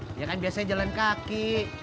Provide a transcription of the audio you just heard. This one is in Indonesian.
dia kan biasanya jalan kaki